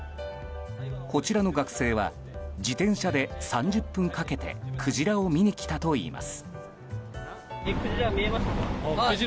こちらの学生は自転車で３０分かけてクジラを見に来たといいます。